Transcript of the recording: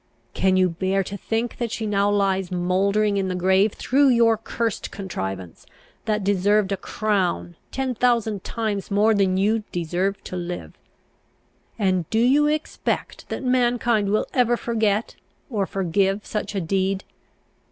Can you bear to think that she now lies mouldering in the grave through your cursed contrivance, that deserved a crown, ten thousand times more than you deserve to live? And do you expect that mankind will ever forget, or forgive such a deed?